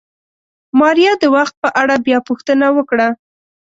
ماريا د وخت په اړه بيا پوښتنه وکړه.